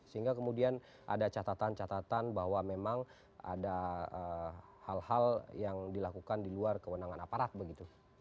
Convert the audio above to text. sehingga kemudian ada catatan catatan bahwa memang ada hal hal yang dilakukan di luar kewenangan aparat begitu